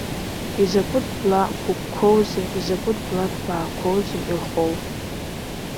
Изакәытә бла гәыкқәоузеи, изакәытә бла ҭбаақәоузеи илхоу!